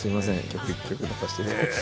曲１曲出させていただいて。